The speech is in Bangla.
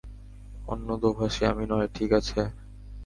অন্য দোভাষী, আমি নয়, ঠিক আছে?